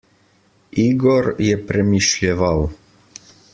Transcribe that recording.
Igor je premišljeval.